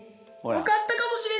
分かったかもしれない！